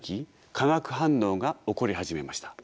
化学反応が起こり始めました。